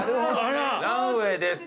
「ランウェイです」